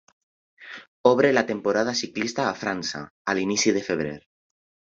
Obre la temporada ciclista a França, a l'inici de febrer.